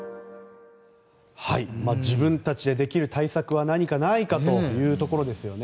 自分たちでできる対策は何かないかということですよね。